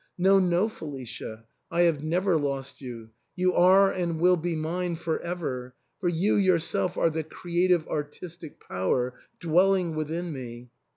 No, no, Felicia, I have never lost you ; you are and will be mine for ever, for you yourself are the creative artistic power dwelling within me.